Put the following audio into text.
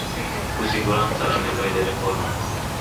Cu siguranță are nevoie de reformă.